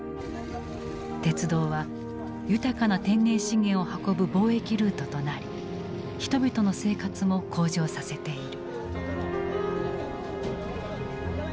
鉄道は豊かな天然資源を運ぶ貿易ルートとなり人々の生活も向上させている。